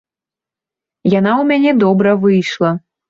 Яна ў мяне добра выйшла.